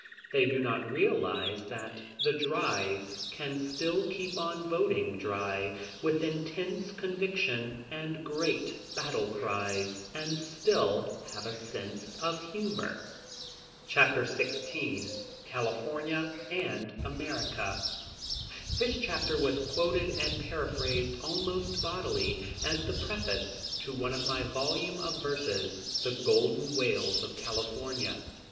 They do not realize that the drys can still keep on voting dry, with intense conviction, and great battle cries, and still have a sense of humor. Chapter XVI California and America. This chapter was quoted and paraphrased almost bodily as the preface to my volume of verses, The Golden Whales of California.